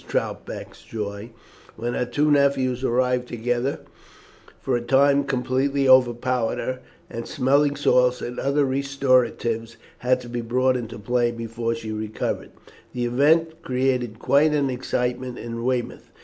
Troutbeck's joy, when her two nephews arrived together, for a time completely overpowered her, and smelling salts and other restoratives had to be brought into play before she recovered. The event created quite an excitement in Weymouth.